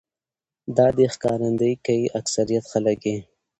دا دې ښکارنديي کوي اکثريت خلک يې